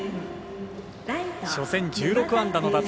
初戦１６安打の打線。